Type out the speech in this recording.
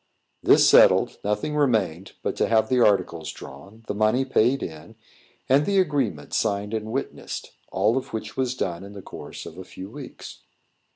This settled, nothing remained but to have the articles drawn, the money paid in, and the agreement signed and witnessed; all of which was done in the course of a few weeks.